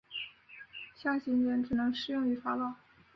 象形茧只能适用于法老。